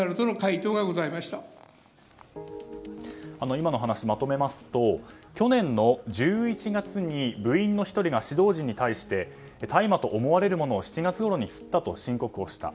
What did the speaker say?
今の話をまとめますと去年の１１月に部員の１人が指導陣に対して大麻と思われるものを７月ごろに吸ったと申告した。